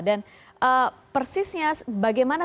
dan persisnya bagaimana